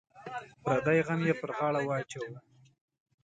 پردی غم یې پر غاړه واچوه.